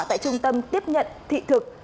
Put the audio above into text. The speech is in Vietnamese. tại trung tâm tiếp nhận thị thực